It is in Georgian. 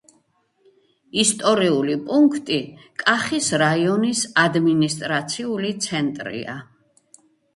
ისტორიული პუნქტი კახის რაიონის ადმინისტრაციული ცენტრია.